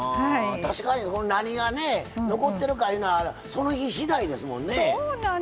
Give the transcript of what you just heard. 確かに何が残ってるかいうのはその日しだいですもんね。